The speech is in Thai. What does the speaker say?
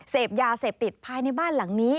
เสพยาเสพติดภายในบ้านหลังนี้